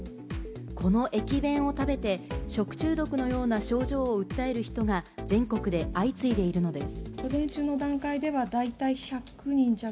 この駅弁を食べて食中毒のような症状を訴える人が全国で相次いでいるのです。